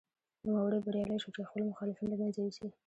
نوموړی بریالی شو چې خپل مخالفین له منځه یوسي.